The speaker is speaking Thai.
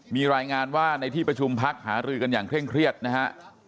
มีรายงานว่าในที่ประชุมพักหารือกันอย่างเคร่งเครียดนะฮะ